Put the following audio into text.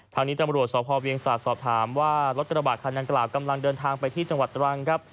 ทางนี้ตำรวจสพเวียงศาสตร์สอบถามว่ารถกระบาดคันดังกล่าวกำลังเดินทางไปที่จังหวัดตรังครับ